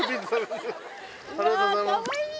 ありがとうございます。